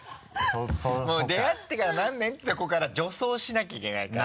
もう出会ってから何年？ってとこから助走しなきゃいけないから。